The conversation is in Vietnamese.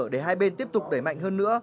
để hai bên tiếp tục đẩy mạnh hơn nữa